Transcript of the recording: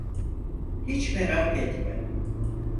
Hiç merak etme.